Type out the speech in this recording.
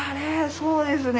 そうですね。